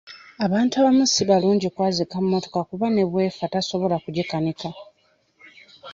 Abantu abamu si balungi kwazika mmotoka kuba ne bw'efa tabasobola kugikanika.